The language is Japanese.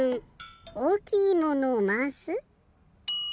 おおきいものをまわす？